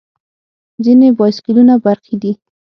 ځینې بایسکلونه برقي دي.